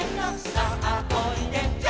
「さあおいで」